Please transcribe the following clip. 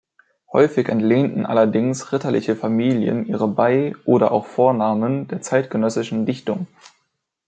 Häufig entlehnten allerdings ritterliche Familien ihre Bei- oder auch Vornamen der zeitgenössischen Dichtung.